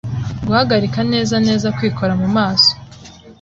guhagarika neza neza kwikora mu maso,